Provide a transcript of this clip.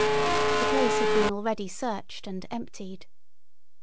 The place had been already searched and emptied.